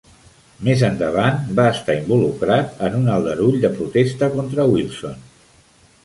Més endavant va estar involucrat en un aldarull de protesta contra Wilson.